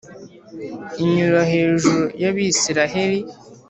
inyura hejuru y’abisiraheli,